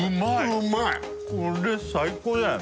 これ最高じゃない？